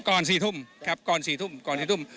ก่อน๔ทุ่มครับก่อน๔ทุ่ม